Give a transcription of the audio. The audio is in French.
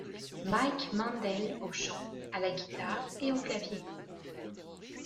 Mike Mandel au chant, à la guitare et aux claviers.